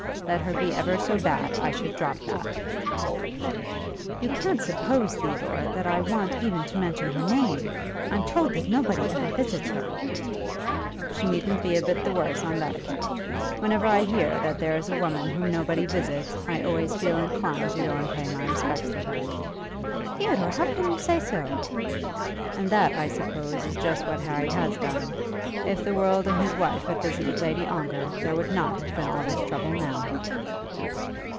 Let her be ever so bad, I should drop that." "You can't suppose, Theodore, that I want even to mention her name. I'm told that nobody ever visits her." "She needn't be a bit the worse on that account. Whenever I hear that there is a woman whom nobody visits, I always feel inclined to go and pay my respects to her." "Theodore, how can you say so?" "And that, I suppose, is just what Harry has done. If the world and his wife had visited Lady Ongar, there would not have been all this trouble now."